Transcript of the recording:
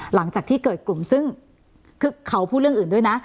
หลังจากที่เกิดกลุ่มซึ่งคือเขาพูดเรื่องอื่นด้วยนะ